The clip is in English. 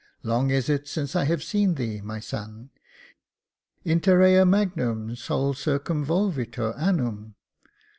" Long is it since I have seen thee, my son, Interea magnum sol circumvolvitur annum.